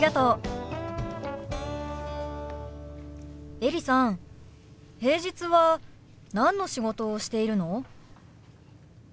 エリさん平日は何の仕事をしているの？